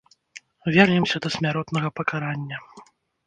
Вернемся да смяротнага пакарання.